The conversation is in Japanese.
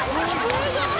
「すごい！」